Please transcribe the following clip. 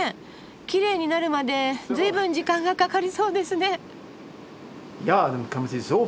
きれいになるまでずいぶん時間がかかりそうですね。